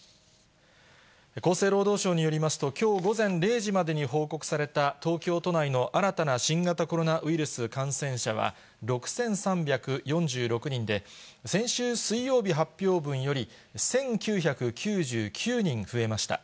厚生労働省によりますと、きょう午前０時までに報告された東京都内の新たな新型コロナウイルス感染者は６３４６人で、先週水曜日発表分より１９９９人増えました。